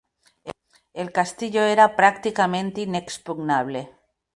El castillo era prácticamente inexpugnable.